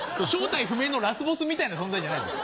正体不明のラスボスみたいな存在じゃない。